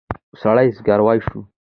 سړي زګېروی شو.